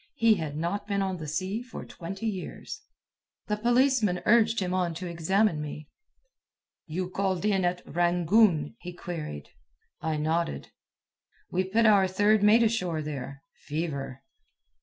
he had not been on the sea for twenty years. The policeman urged him on to examine me. "You called in at Rangoon?" he queried. I nodded. "We put our third mate ashore there. Fever."